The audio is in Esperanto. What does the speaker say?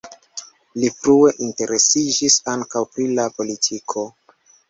Li frue interesiĝis ankaŭ pri la politiko.